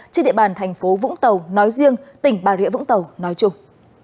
trên địa bàn tp vũng tàu nói riêng tỉnh bà rĩa vũng tàu nói chung